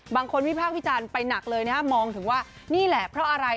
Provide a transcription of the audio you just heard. บางคนวิพากษ์วิจารณ์ไปหนักเลยมองถึงว่านี่แหละเพราะอะไร